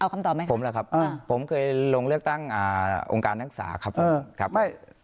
เอาคำตอบไหมครับผมเคยลงเลือกตั้งองค์การนักศึกษาครับผม